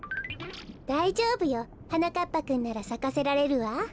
だいじょうぶよ。はなかっぱくんならさかせられるわ。